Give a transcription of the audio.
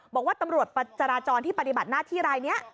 บอกว่าตำรวจจราจรที่ปฏิบัติหน้าที่รายนี้